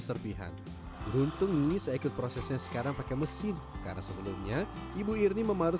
serpihan untung ini saya ikut prosesnya sekarang pakai mesin karena sebelumnya ibu irmi memarut